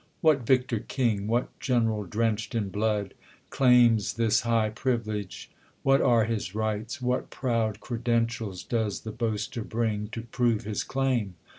What victor king, what gen'ral drench'd in blood, Claims this high privilege ? What are his rights ? What proud credentials does the boaster bring, To prove his claim